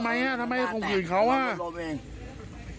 ทำไมคงคืนเขาว่าทำไมคงคืนเขาว่าทำไมคงคืนเขาว่า